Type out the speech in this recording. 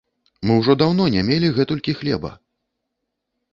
Мы ўжо даўно не мелі гэтулькі хлеба!